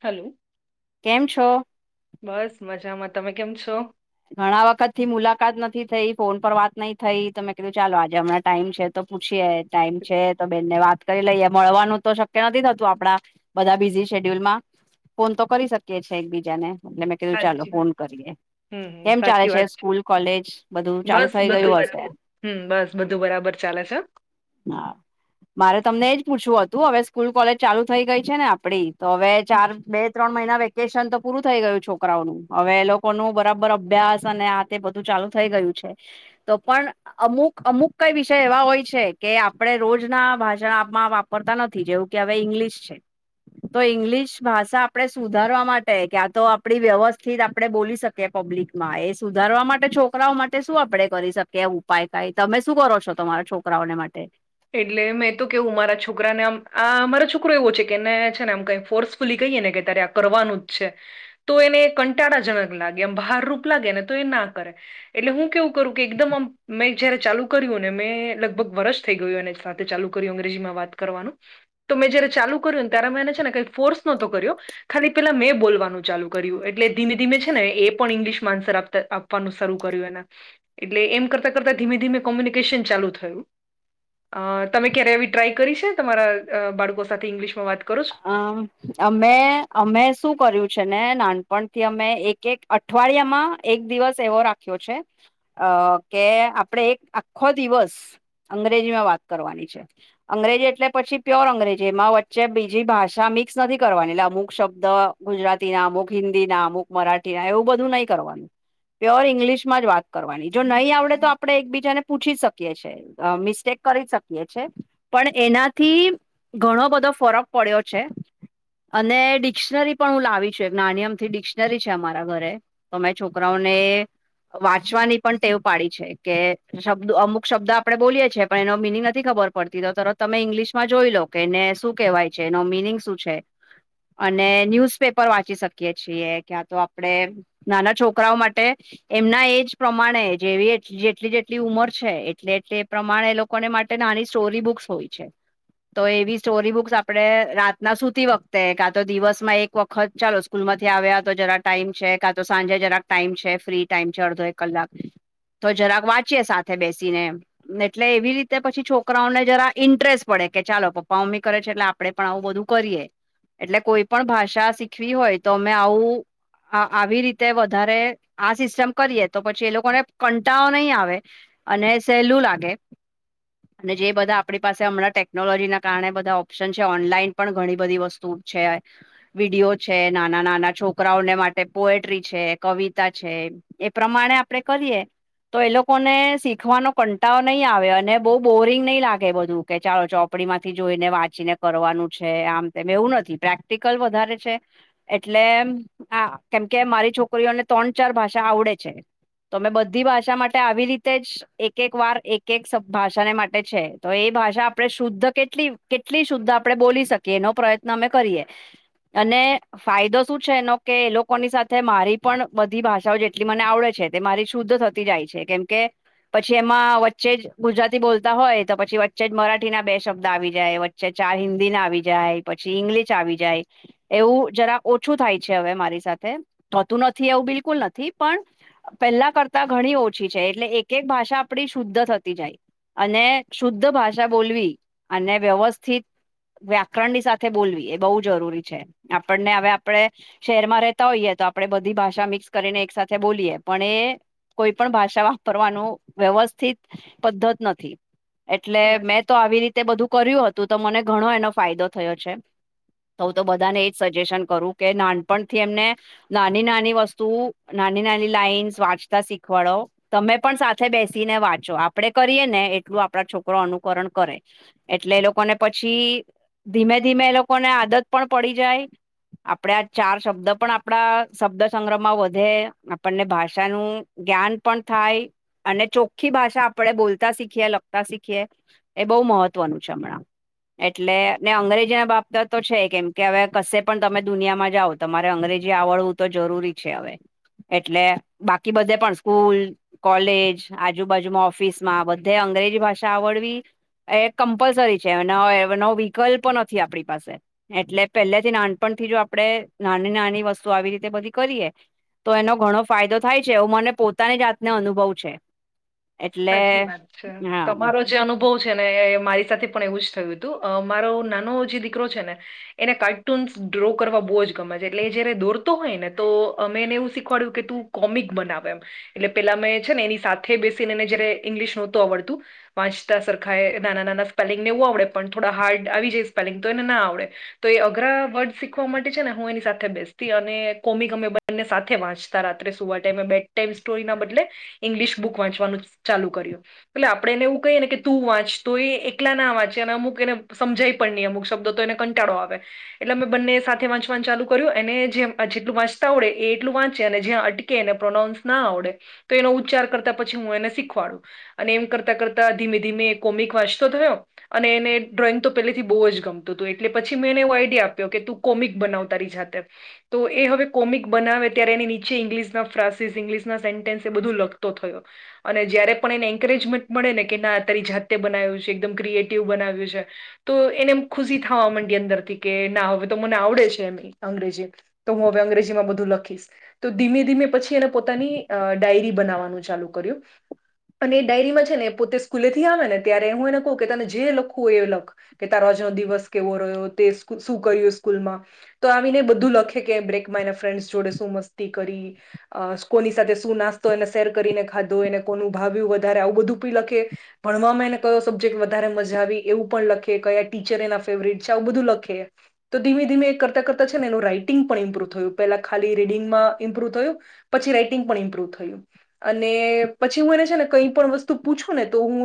Hello. કેમ છો? બસ મજામાં, તમે કેમ છો? ઘણા વખતથી મુલાકાત નથી થઈ ફોન પર વાત નઈ થઈ તો મે કીધું ચાલો આજે હમણાં ટાઈમ છે તો પુછીએ ટાઈમ છે. તો બેનને વાત કરી લઈએ મળવાનું તો શક્ય નથી થતું આપણા બધા બીઝી શેડ્યુલમાં. ફોન તો કરી શકીએ છે એકબીજાને એટલે મેં કીધું ચાલો સાચી હમ ફોન કરીએ. હમ, કેમ ચાલે સાચી છે વાત સ્કૂલ, કોલેજ બધું ચાલુ બસ થઈ બધું ગયું હશે. બરાબર હમ બસ બધું બરાબર ચાલે છે? હા. મારે તમને એજ પૂછવું હતું હવે સ્કૂલ, કોલેજ ચાલુ થઈ ગઈ છે ને આપણી તો હવે ચાર, બે-ત્રણ મહિના વેકેશન તો પૂરું થઈ ગયું છોકરાઓનું હવે એ લોકોનું બરાબર અભ્યાસ અને આ તે બધું ચાલુ થઈ ગયું છે તો પણ અમુક અમુક કઈ વિષય એવા હોય છે કે આપણે રોજના ભાષણ આપમાં આપ પરતા નથી જેવું કે હવે ઇંગ્લિશ છે. તો ઈંગ્લિશ ભાષા આપણે સુધારવા માટે ક્યા તો આપણી વ્યવસ્થિત આપણે બોલી શકીએ. કે પબ્લિકમાં એ સુધારવા માટે છોકરાઓ માટે શું આપણે કરી શકીએ ઉપાય કાઈક. તમે શું કરો છો તમારા છોકરાઓને માટે? એટલે મેં તો કેવું મારા છોકરાને આમ આ અમારો છોકરો એવો છે કે એને છે ને આમ કંઈ ફોર્સ ફૂલી કહીએ ને કે તારે આ કરવાનું જ છે. તો એને કંટાળાજનક લાગે એમ ભારરૂપ લાગે ને તો એ ના કરે. એટલે હું કેવું કરું કે એકદમ આમ મેં જયારે ચાલુ કર્યું ને મેં લગભગ વર્ષ થઈ ગયું એને સાથે ચાલુ કર્યું અંગ્રેજીમાં વાત કરવાનું. તો મેં જયારે ચાલુ કર્યું ને ત્યારે મેં એને છે ને કંઈ ફોર્સ નહોતો કર્યો. ખાલી પેલા મેં બોલવાનું ચાલુ કર્યું એટલે ધીમે ધીમે છે ને એ પણ ઇંગ્લિશમાં આન્સર આપતા આપ આપન શરૂ કર્યું એના એટલે એમ કરતા કરતા ધીમે ધીમે કોમ્યુનિકેશન ચાલુ થયું. અ તમે ક્યારે આવી ટ્રાય કરી છે તમારા અ બાળકો સાથે ઇંગ્લિશમાં વાત કરો છો. અમ અમે અમે શું કર્યું છે ને નાનપણથી અમે એક કે એક અઠવાડિયામાં એક દિવસ એવો રાખ્યો છે અ કે આપડે એક આખો દિવસ અંગ્રેજીમાં વાત કરવાની છે અંગ્રેજી એટલે પછી પ્યોર અંગ્રેજી એમાં વચ્ચે બી જી ભાષા મિક્સ નથી કરવાની એટલે અમુક શબ્દ ગુજરાતીનાં, અમુક હિન્દીના, અમુક મરાઠી હ એવું બધું નહી કરવાનું. પ્યોર ઇંગ્લિશ માં જ વાત કરવાની જો નહી આવડે તો આપડણે એકબીજાને પૂછી શકીએ છીએ. અ મિસ્ટેક કરી શકીએ છે પણ એનાથી ઘણો બધો ફરક પડ્યો છે. અને ડિક્શનરી પણ હું લાવી છું એક નાની અમથી ડિક્શનરી છે અમારા ઘરે. તો મેં છોકરાઓને વાંચવાની પણ ટેવ પાડી છે કે શબ્દ અમુક શબ્દ આપણે બોલીએ છેએ પણ એનો મિનિંગ નથી ખબર પડતી તો તરત તમે ઈંગ્લિશ માં જોઈ લો કે એને શું કહેવાય છે એનો મિનિંગ શું છે. અને ન્યૂઝ પેપર વાંચી શકીએ છીએ ક્યાં તો આપણેે. નાના છોકરાઓ માટે. એમના એજ પ્રમાણે જેવી જેટલી જેટલી ઉમર છે એટલે એટલે પ્રમાણે કોને માટે નાની સ્ટોરી બુક્સ હોય છે તો એવી સ્ટોરી બુક્સ આપણે રાતના સુતી વખતે કા તો દિવસમાં એક વખત ચાલો સ્કૂલ માંથી આવ્યા તો જરા ટાઈમ છે કા તો સાંજે જરાક ટાઈમ છે ફ્રી ટાઈમ છે અડધો એક કલાક તો જરાક વાંચીએે સાથે બેસીને એમ એટલે એવી રીતે પછી છોકરાઓને જરા ઈન્ટરેસ્ટ પડે કે ચાલો પપ્પા મમ્મી કરે છે એટલે આપડે પણ આવું બધું કરીએ એટલે કોઈ પણ ભાષા શીખવી હોય તો અમે આવું આ આવી રીતે વધારે આ સિસ્ટમ કરીએ તો પછી એ લોકોને કંટાળો નહીં આવે. અને સહેલું લાગે. અને જે બધા આપણી પાસે હમણાં ટેકનોલોજી ના કારણે બધા ઓપ્શન. ઓપ્શન ઓનલાઈન પણ ઘણી બધી વસ્તુ છે. વિડીયો છે નાના નાના છોકરાઓને માટે પોએટ્રી છે કવિતા છે. એ પ્રમાણે આપડે કરીએ. તો એ લોકોને શીખવાનો કંટાળો નહી આવે અને બહુ બોરિંગ નહી લાગે બધું કે ચાલો ચો ચોપડી માંથી જોઈને વાંચીને કરવાનું છે આમ તેમ એવું નથી પ્રેક્ટિકલ વધારે છે. એટલે એમ આ કેમકે મારી છોકરીઓને ત્રણ ચાર ભાષા આવડે છે. તો અમે બધી ભાષા માટે આવી રીતે જ એક એક વાર એક એક ભાષાને માટે છે. તો એ ભાષા આપણે શુદ્ધ કેટલી કેટલી શુદ્ધ આપણે બોલી શકીએ એનો પ્રયત્ન અમે કરીએ. અને ફાયદો શું છે એનો કે એ લોકોની સાથે મારી પણ બધી ભાષાઓ જેટલી મને આવડે છે તે મારી શુદ્ધ થતી. જાય છે કેમ કે. પછી એમાં વચ્ચે જ ગુજરાતી બોલતા હોય તો પછી વચ્ચે જ મરાઠી ના બે શબ્દ આવી જાય. પ ચાર હિન્દી ના આવી જાય પછી ઈંગ્લિશ આવી જાય. એવું જરા ઓછું થાય છે હવે મારી સાથે થતું નથી એવું બિલકુલ નથી પણ પહેલા કરતા ઘણી ઓછી છે એટલે એક એક ભાષા આપડી શુદ્ધ થતી જાય. અને શુદ્ધ ભાષા બોલવી અને વ્યવસ્થિત વ્યાકરણ ની સાથે બોલવી એ બહુ જરૂરી છે આપણને હવે આપણે શહેરમાં રહેતા હોઈએ તો આપડે બધી ભાષા મિક્સ કરીને એક સાથે બોલીએ પણ એ કોઈ પણ ભાષા વાપરવાનું વ્યવસ્થિત પદ્ધત નથી એટલે તમારે મેં તો આવી રીતે બધું કર્યું હતું તો મને ઘણો એનો ફાયદો થયો છે. તો હું તો બધાને એજ સજેશન કરું કે નાનપણથી એમને નાની નાની વસ્તુ નાની નાની લાઈનસ વાંચતા શીખવાડો. તમે પણ સાથે બેસી ને વાંચો આપડે કરીયએ ને એટલું આપણા છોકરો અનુકરણ કરે. એટલે એ લોકોને પછી ધીમે ધીમે એ લોકોને આદત પણ પડી જાય. આપડે આ ચાર શબ્દ પણ આપણા શબ્દ સંગ્રહ માં વધે આપણને ભાષાનું જ્ઞાન પણ થાય અને ચોખ્ખી ભાષા આપણે બોલતા શીખીએ લખતા શીખીએ. એ બહુ મહત્વનું છે હમણાં એટલે ને અંગ્રેજી ના બાબત તો છે કેમ કે હવે કશે પણ તમે દુનિયામાં જાઓ તમારે અંગ્રેજી આવડવું તો જરૂરી છે હવે એટલે બાકી બધે પણ સ્કૂલ કોલેજ આજુબાજુમાં ઓફિસ માં બધે અંગ્રેજી ભાષા આવડવી એ કમ્પલસરી છે નવો વિકલ્પ નથી આપણી પાસે એટલે પહેલા થી નાનપણથી જો આપણેે નાની નાની વસ્તુ આવી રીતે બધી કરીએે તો એનો ઘણો ફાયદો થાય છે એવો મને પોતાની જાતને અનુભવ છે એટલે સાચી વાત છે. હા તમારો જે અનુભવ છે ને એ મારી સાથે પણ એવું જ થયું હતું મારો નાનો જે દીકરો છે ને એને કાર્ટૂન્સ ડ્રો કરવા બહુ જ ગમે છે એટલે એ જયારે દોરતો હોય ને તો અમે એને એવું શીખવાડ્યું કે તું કોમિક બના એમ એટલે પેલા મેં છે ને એની સાથે બેસીને એને જયારે ઇંગ્લિશ નહોતું આવડતું વાંચતા સરખા એ નાના નાના સ્પેલિંગ ને એવું આવડે પણ થોડા હાર્ડ આવી જાય સ્પેલિંગ તો એને ના આવડે તો એ અઘરા વર્ડ શીખવા માટે છે ને હું એની સાથે બેસતી અને કોમી ગમે બ બ સાથે વાંચતા રાત્રે સુવા ટાઈમે બેટ ટાઈમ સ્ટોરીના બદલે ઇંગ્લિશ બુક વાંચવાનું ચાલુ કર્યું એટલે આપણે એને એવું કહીએને કે તું વાંચ તો એ એકલા ના વાંચે અને અમુક એને સમજાઈ પણ અમુક શબ્દ તો એને કંટાળો આવે એટલે અમે બંને સાથે વાંચવાનું ચાલુ કર્યું એને જે જેટલું વાંચતા હોડે એટલું વાંચે અને જ્યાં અટ કે એને પ્રોનાઉન્સ ના આવડે તો એનો ઉચ્ચાર કરતા પછી હું એને શીખવાડું અને એમ કરતાં કરતાં ધીમે ધીમે કોમિક વાંચતો થયો અને એને ડ્રોઈંગ તો પહેલેથી બહુ જ ગમતું હતું એટલે પછી મેં એને એવો આઈડિયા આપ્યો કે તું કોમિક બનાવ તારી જાતે તો એ હવે કોમિક બનાવે ત્યારે એની નીચે ઇંગ્લિશના ફ્રાન્સિસ ઇંગ્લિશના સેન્ટેન્સ એ બધું લખ તો થયો અને જયારે પણ એને એન્કરેજમેન્ટ મળે ને કે ના તારી જાતે બનાવ્યું છે એકદમ ક્રિએટિવ બનાવ્યું છે તો એને એમ ખુશી થવા માંડી અંદરથી કે ના હવે તો મને આવડે છે એમ અંગ્રેજી તો હું હવે અંગ્રેજીમાં બધું લખીશ તો ધીમે ધીમે પછી એને પોતાની ડાયરી બનાવવાની ચાલુ કર્યું અને એ ડાયરીમાં છે ને પોતે સ્કૂલે થી આવે ને ત્યારે હું એને કહું કે તને જે લખું એ લખ કે તારોજનો દિવસ કેવો રહ્યો તે શું કર્યું સ્કૂલમાં તો આવીને બધું લખે કે બ્રેકમાં એના ફ્રેન્ડ્સ જોડે શું મસ્તી કરી અ કોની સાથે શું નાસ્તો એને શેર કરીને ખાધો એને કોનું ભાવિ્યું વધારે આવું બધું પી લખે ભણવામાં એને કયો સબ્જેક્ટ વધારે મજા આવી એવું પણ લખેએ કયા ટીચર એના ફેવરેટ છે આવું બધું લખેએ તો ધીમે ધીમે એક કરતા કરતાં છે એનું રાઈટિંગ પણ મ્પ્રુવ થયું પેલા ખા રીડિંગમાં મ્પ્રુવ થયું પછી રાઈટિંગ પણ ઇમ્પ્રુવ થયું અને પછી હું એને છે ને કઈ પણ વસ્તુ પૂછું ને તો હું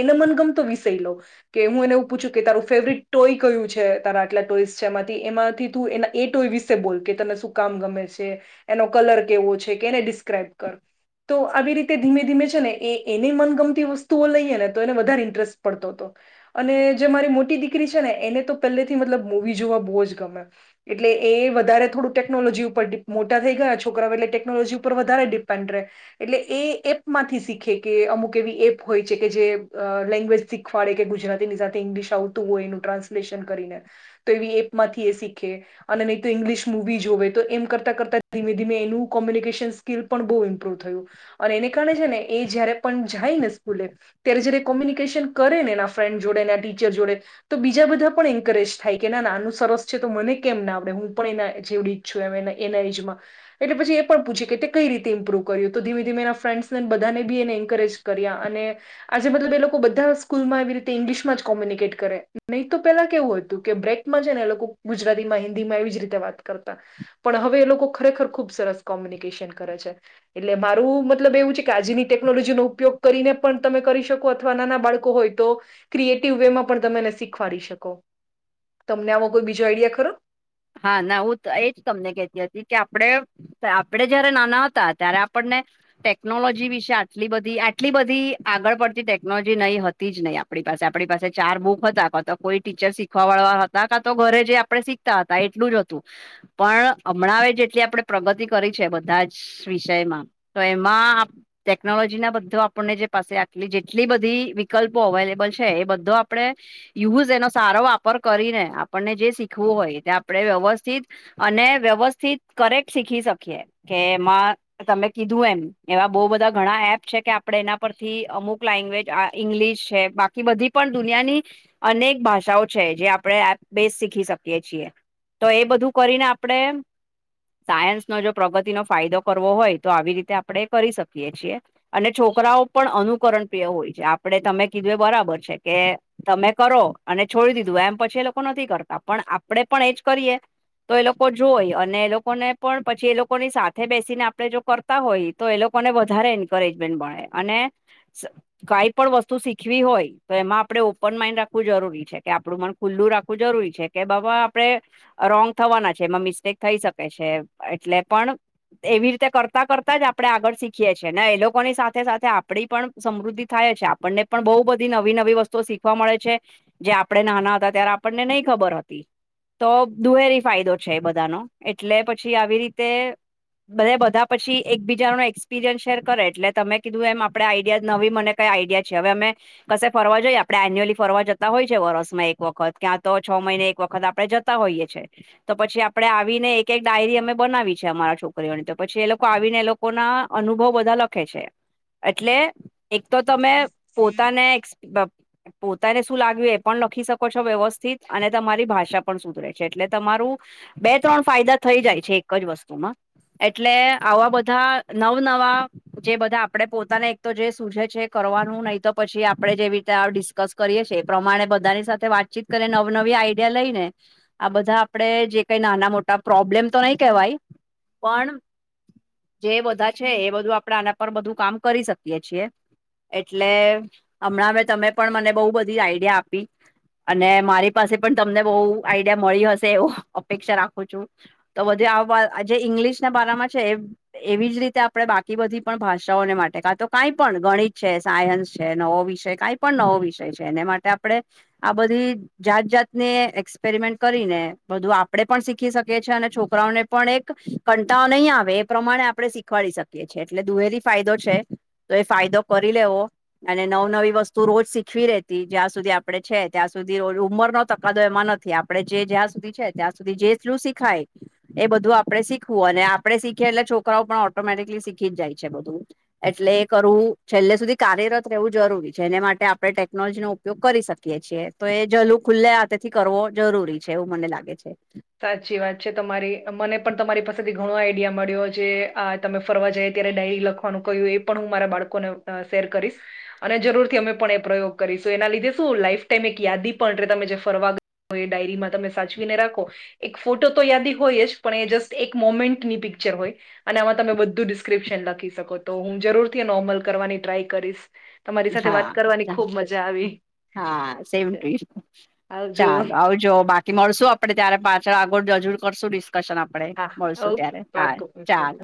એને મનગમતો વિસય લો કે હું એને એવું પૂછું કે તારું ફેવરિટ ટોય કયું છે તારા આટલા ટોઈસ છે એમાંથી એમાંથી તું એ એ ટોય વિ બોલ કે તને શું કામ ગમે છે એનો કલર કેવો છે કે એને ડિસ્ક્રાઈબ કર તો આવી રીતે ધીમે ધીમે છે ને એ એને મનગમતી વસ્તુઓ લઈએ ને તો એને વધારે ઇન્ટરેસ્ટ પડતો હતો અને જે મારી મોટી દીકરી છે ને એને તો પહેલેથી મતલબ મૂવી જોવા બહુ જ ગમે એટલે એ વધારે થોડું ટેકનોલોજી ઉપર મોટા થઈ ગયા છોકરાઓ એટલે ટેકનોલોજી ઉપર વધારે ડિપેન્ડ રહે એટલે એ એપ માંથી શીખે કે અમુક એવી એપ હોય છે કે જે લેંગ્વેજ શીખવાડે કે ગુજરાતીની સાથે ઇંગ્લિશ આવતું હોય એનું ટ્રાન્સલેશન કરીને તો એવી એ માંથી એ શીખે અને નહી તો ઈઇંગ્લિશ મુવી જો હોવે તો એમ કરતાં કરતા ધીમે ધીમે એનું કોમ્યુનિકેશન સ્કિલ પણ બહુ ઇ થયું અને એને કારણે છે ને એ જયારે પણ જાય ને સ્કૂલે ત્યારે જય્યારે કોમ્યુનિકેશન કરે ને એ ફ્રેન્ડ જોડેને ટીચર જોડે તો બીજા બધા પણ એન્કરેજ થાય કે ના ના આનું સરસ છે તો મને કેમ ના આવડે હું પણ એના જેવડી એના એમાં એટલે પછી એ પણ પૂછી કે કઈ રીતે ઇમપ્રુ તો ધીમે ધીમે એના ફ્રેન્્ને બધાને બી એને એન્કરેજ કર્યા અને આજે મતલબ એ લોકો બધા સ્કૂલમાં આવી રીતે ઇંગ્લિશમાં જ કોમ્યુનિકેટ કરે નહીં તો પેલા કેવું હતું કે બ્રેક માં છે ને એ લોકો ગુજરાતી માં હિન્દી માં એવી જ રીતે વાત કરતા પણ હવે એ લોકો ખરેખર ખુબ સરસ કોમ્યુનિકેશન કરે છે એટલે મારું મતલબ એવું છે કે આજની ટેકનોલોજીનો ઉપયોગ કરીને પણ તમે કરી શકો અથવા નાના બાળકો હોય તો ક્રિએટિવ વે માં પણ તમે એને શીખવાડી શકો. તમને આો કોઈ બીજો આઈડિયા ખરો? હા ના હું એજ તમને કતી હતી કે આપડે આપડે જયારે નાના હતા ત્યારે આપણને ટેકનોલોજી વિશે આટલી બધી આટલી બધી આગળ પડતી ટેકનોલોજી નહી હતી. જ નહી આપણી પાસે આપણી પાસે ચાર બુક હતા ક તો કોઈ ટીચર શીખવા વાળા હતા કા તો ઘરે જે આપણે શીખતા હતા. એટલું જ હતું પણ હમણાં હ જેટલી આપણે પ્રગતિ કરી છે બધા જ વિષયમાં તો એમાં ટેકનોલોજી ના બધો આપણને જે પાસે આટલી જેટલી બધી વિકલ્પો અવેલેબલ છે એ બધો આપણે યુઝ એનો સારો વાપર કરીને આપણને જે શીખવું હોય તે આપણે વ્યવસ્થિત અને વ્યવસ્થિત કરેક્ટ શીખી શકીએ કે એમાં તમે કીધું એમ એવા બઉુ બધા ઘણા એપ છે કે આપડે એના પરથી અમુક લેંગ્વેજ ઈંગ્લિશ છે બાકી બધી પણ દુનિયાની અનેક ભાષાઓ છે જે આપડણે એ બેસ શીખી શકીએ છીએ. તો એ બધું કરીને આપડે સાયન્સ નો જો પ્રગતિ નો ફાયદો કરવો હોય તો આવી રીતે આપડણે કરી શકીએ છીએ. અને છોકરાઓ પણ અનુકરણપિય હોય છે આપણે તમે કીધું એ બરાબર છે કે તમે કરો અને છોડી દીધું એમ પછી એ લોકો નથી કરતા પણ આપડે પણ એજ કરીએ તો એ લોકો જોઈ અને એ લોકોને પણ પછી એ લોકોની સાથે બેસીને આપડે જો કર હોય તો એ લોકોને વધારે એન્કરેજમેન્ટ મળે અને કઈ પણ વસ્તુ શીખવી હોય તો એમાં આપડણે ઓપન માઈન્ડ રાખવું જરૂરી છે કે આપડું મન ખુલ્લું રાખવું જરૂરી છે કે બાબ આપડે રોંગ થવાના છે એમાં મિસ્ટેક થઈ શકે છે એટલે પણ એવી રીતે કરતા કરતા જ આપડણે આગળ શીખીએ છીએ ને એ લોકોની સાથે સાથે આપડી પણ સમૃદ્ધિ થાય છે આપણને પણ બહુ બધી નવી નવી વસ્તુઓ શીખવા મળે છે. જે આપડણે નાના હતા ત્યારે આપણને નહ ખબર હતી. તો દુહેરી ફાયદો છે બધાનો એટલે પછી આવી રીતે બધ બધા પછી એકબીજા નો એક્સપિરિયન્સ શેર કરે એટલે તમે કીધું એમ આપડે આઈડિયા નવી મને કઈ આઈડિયા છે હવે અમે કશે ફરવા જોઈએ આપડણે એન્યુઅલી ફરવા જતા હોય છે વરસમાં એક વખત ક્યાં તો છ મહિને એક વખત આપડે જ તા હોઈ છે. તો પછી આપણે આવીને એક એક ડાયરી અમે બનાવી છે અમારા છોકરીઓની તો પછી એ લોકો આવીને એ લોકો લોકો ના અનુભવ બધા લખે છે એટલે એક તો તમે પોતાને પોતાને શું લાગ્યું એ પણ લખી શકો છો વ્યવસ્થિત અને તમારી ભાષા પણ સુધરે છે એટલે તમારું બે ત્રણ ફાયદા થઈ જાય છે એક જ વસ્તુમાં. એટલે આવા બધા નવ નવા જે બધા આપડે પોતાને એક તો જે સૂજે છે કરવાનું નહીિ તો પછી આપડે જેવી રીતે ડિસ્કસ કરીએ છી એ પ્રમાણે બધાની સાથે વાતચીત કરીને નવ નવી આઈડિયા લઈને આ બધા આપડે જે કઈ નાના મોટા પ્રોબ્લેમ તો નહી કવાય પણ જે બધા છે એ બધું આપણેે આના પર બધું કામ કરી શકીએ છીએ. એટલે હમણાં મે તમે પણ મને બહુ બધી આઈડિયા આપી અને મારી પાસે પણ તમને બહુ આઈડિયા મળી હશે એવું અપેક્ષા રાખું છું. તો બધી આ જે ઈંગ્લિશ ના ભારામાં છે એ એવી જ રીતે આપણે બાકી બધી પણ ભાષાઓને માટે કા તો કંઈ પણ ગણિત છે સાયન્સ છે, નવો વિષય કઈ પણ નવો વિષય છે, એને માટે આપણે આ બધી જાત જાતને એક્સપેરમેન્ટ કરીને બધું આપડણે પણ શીખી શકીએ છીએ અને છોકરાઓને પણ એક કંટઓ નહીં આવે એ પ્રમાણે આપણે શીખવાડી શકીએ છએ એટલે દુહેરી ફાયદો છે. તો એ ફાયદો કરી લેવો અને નવ નવી વસ્તુ રોજ સીખવી રેતી જ્યાં સુધી આપડે છે ત્યાં સુધી ઉંમર નો તફાવત એમાં નથી. આપડણે જે જ્યાં સુધી છે ત્યાં સુધી જેલું શીખાય. એ બધું આપડણે શીખવું અને આપડણે શીખીએ એટલે છોકરાઓ પણ ઓટોમેટિકલી શીખી જાય છે બધું એટલે એ કરવું છેલ્લે સુધી કાર્યરત રહેવું જરૂરી છે, એને માટે આપણે ટેકનોલોજીનો ઉપયોગ કરી શકીએ છીએ તો એ જલું ખુલ્લે હાથેથી કરવો જરૂરી છે એવું મને લાગે છે. સાચી વાત છે, તમારી મને પણ તમારી પાસેથી ઘણો આઈડિયા મળ્યો જે આ તમે ફરવા જાય ત્યારે ડાયરી લખવાનું, કહ્યું એ પણ હું મારા બાળકોને શેર કરીશ અને જરૂર થી અમે પણ એ પ્રયોગ કરીશું એના લીધે શું લાઈફ ટાઈમ એક યાદી પણ ર તમે જે ફરવા તો એ ડાયરીમાં તમે સાચવીને રાખો એક ફોટો તો યાદી હોય જ પણ એ જસ્ટ એક મોમેન્ટની પિક્ચર હોય. અને આમાં તમે બધું ડિસ્ક્રિપ્શન લખી શકો તો હું જરૂરથી નોર્મલ કરવાની ટ્રાય કરીશ તમારી સાથે વાત કરવાની હાા ખૂબ મજા આવી હા સેમ ટ આવજો ચાલો આવજ જો બાકી મળશું આપડણે ત્યારે પાછળ આગળજુર કરશું ડિસ્કશન આપ આપ હા હા મળશું ઓકે ત્યારે હા, પાકું પાકું ચાલ